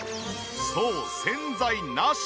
そう洗剤なし。